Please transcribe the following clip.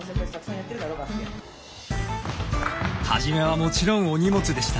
初めはもちろんお荷物でした。